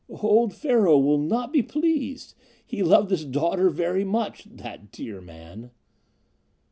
"Old Pharaoh will not be pleased he loved his daughter very much that dear man."